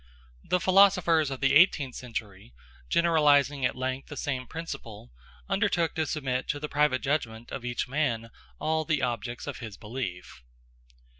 The philosophers of the eighteenth century, generalizing at length the same principle, undertook to submit to the private judgment of each man all the objects of his belief.